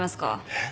えっ？